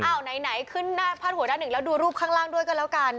อ้าวไหนขึ้นผ้านหัวด้านหนึ่งแล้วดูรูปข้างล่างด้วยกันแล้วกัน